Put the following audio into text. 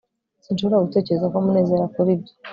sinshobora gutekereza ko munezero akora ibyo